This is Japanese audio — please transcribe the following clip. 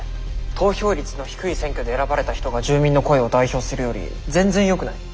投票率の低い選挙で選ばれた人が住民の声を代表するより全然よくない？